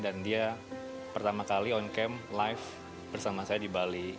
dan dia pertama kali on cam live bersama saya di bali